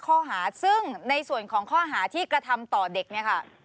ข้อหาซึ่งในส่วนของข้อหาที่กระทำต่อเด็กเนี่ยค่ะ